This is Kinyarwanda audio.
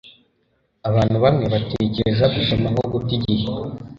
Abantu bamwe batekereza gusoma nko guta igihe.